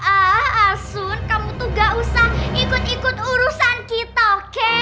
ah asun kamu tuh gak usah ikut ikut urusan kita oke